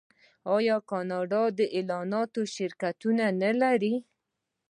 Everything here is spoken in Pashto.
آیا کاناډا د اعلاناتو شرکتونه نلري؟